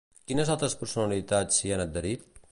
Quines altres personalitats s'hi han adherit?